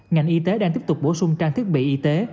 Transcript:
ngành y tế đang tiếp tục bổ sung trang thiết bị y tế